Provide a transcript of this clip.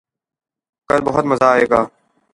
کل بہت مزہ آئے گا